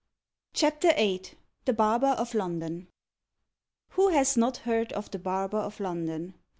CHAPTER VIII THE BARBER OF LONDON Who has not heard of the Barber of London?